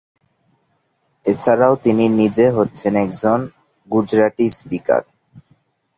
এছাড়াও তিনি নিজে হচ্ছেন একজন গুজরাটি স্পিকার।